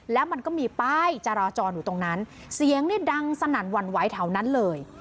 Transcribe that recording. แล้วมันก็มีป้ายจราจรอยู่ตรงนั้นเสียงเนี่ยดังสนั่นหวั่นไหวแถวนั้นเลย